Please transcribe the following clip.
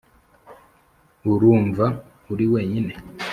urumva uri wenyine,